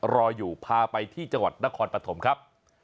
รออยู่พาไปที่จังหวัดนครปฐมครับ